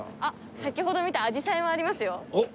先ほど見た紫陽花もありますよ。